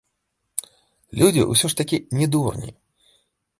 Людзі ўсё ж такі не дурні.